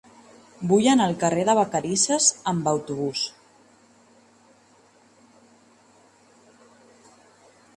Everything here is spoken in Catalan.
Vull anar al carrer de Vacarisses amb autobús.